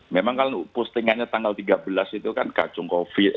memang kalau postingannya tanggal tiga belas itu kan kacung covid